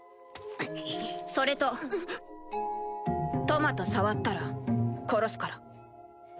トマト触ったら殺すから。